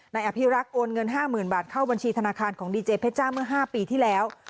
นายอภิรักษ์โอนเงิน๕๐๐๐บาทเข้าบัญชีธนาคารของดีเจเพชจ้าเมื่อ๕ปีที่แล้ว